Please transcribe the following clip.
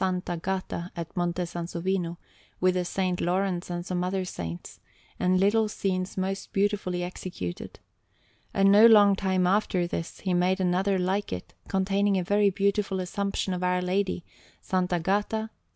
Agata at Monte Sansovino, with a S. Laurence and some other saints, and little scenes most beautifully executed. And no long time after this he made another like it, containing a very beautiful Assumption of Our Lady, S. Agata, S.